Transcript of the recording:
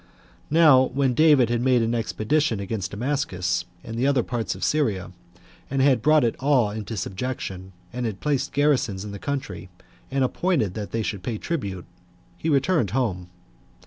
3. Now when David had made an expedition against Damascus, and the other parts of Syria, and had brought it all into subjection, and had placed garrisons in the country, and appointed that they should pay tribute, he returned home.